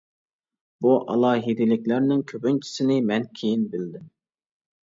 بۇ ئالاھىدىلىكلەرنىڭ كۆپىنچىسىنى مەن كىيىن بىلدىم.